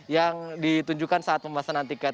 yang ditunjukkan saat pembahasan antiket